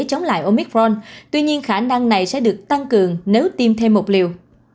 chống lại omicron tuy nhiên khả năng này sẽ được tăng cường nếu tiêm thêm một liều